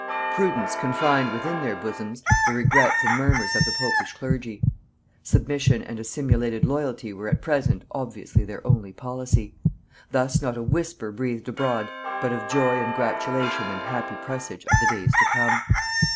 Prudence confined within their own bosoms the regrets and murmurs of the popish clergy; submission and a simulated loyalty were at present obviously their only policy: thus not a whisper breathed abroad but of joy and gratulation and happy presage of the days to come.